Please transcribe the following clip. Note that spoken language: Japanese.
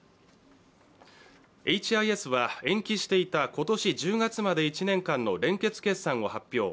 エイチ・アイ・エスは延期していた今年１０月まで１年間の連結決算を発表。